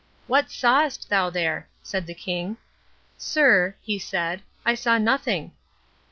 "What sawest thou there?" said the king. "Sir," he said, "I saw nothing."